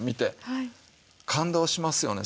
感動しますよね